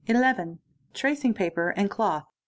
Tracing paper and cloth.